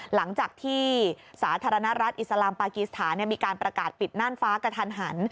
หลังจากที่สาธารณรัฐอิสลามปากีสถานมีการประกาศปิดน่านฟ้ากระทันหัน